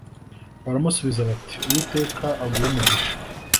baramusubiza bati uwiteka aguhe umugisha